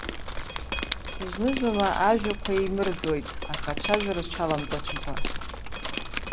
Зны-зынла ажәақәа еимырдоит, аха ацәажәара рҽаламҵацәакәа.